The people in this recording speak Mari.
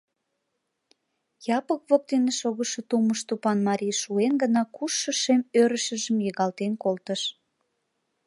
Япык воктене шогышо тумыш тупан марий шуэн гына кушшо шем ӧрышыжым йыгалтен колтыш.